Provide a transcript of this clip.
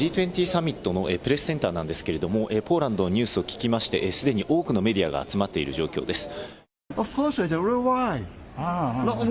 Ｇ２０サミットのプレスセンターなんですけれども、ポーランドのニュースを聞きまして、すでに多くのメディアが集まっている状況です。